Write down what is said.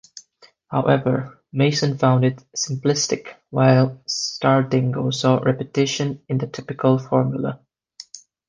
However, Mason found it "simplistic", while Stardingo saw "repetition" in the typical formula.